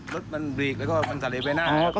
รถมันบลีกแล้วก็มันสะเล็กไปหน้าครับ